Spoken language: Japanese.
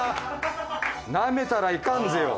なめたらいかんぜよ！